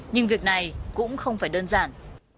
nhưng việc này cũng không phải đơn giản